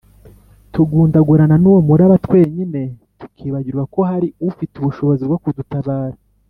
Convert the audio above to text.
tugundagurana n’uwo muraba twenyine tukibagirwa ko hari ufite ubushobozi bwo kudutabara